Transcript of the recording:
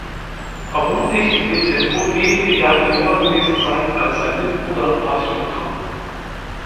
Vermutlich wird er nur wenige Jahre jünger gewesen sein als sein Mitbruder Martin Luther.